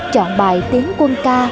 chọn bài tiến quân ca